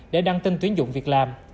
để đăng tin tuyến dụng việc làm